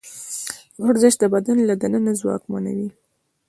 ورزش د بدن له دننه ځواکمنوي.